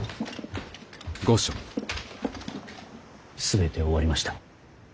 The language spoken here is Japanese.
全て終わりました。